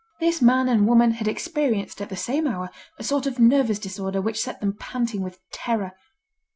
This man and woman had experienced at the same hour, a sort of nervous disorder which set them panting with terror.